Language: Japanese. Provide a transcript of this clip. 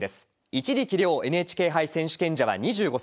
一力遼ＮＨＫ杯選手権者は２５歳。